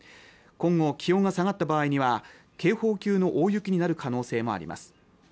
今後気温が下がった場合には警報級の大雪になる可能性もあります